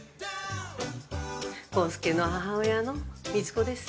康介の母親の路子です。